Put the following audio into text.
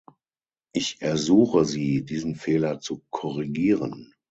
Ich ersuche Sie, diesen Fehler zu korrigieren.